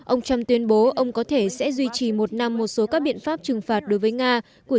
ông trump tuyên bố ông có thể sẽ duy trì một năm một số các biện pháp trừng phạt đối với nga của